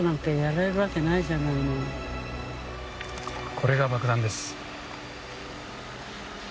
これが爆弾です。